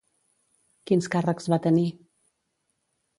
Quins càrrecs va tenir?